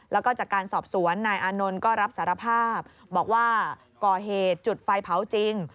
แล้วก็จากการสอบสวนนายอานนท์ก็รับสารภาพบอกว่าก่อเหตุจุดไฟเผาจริง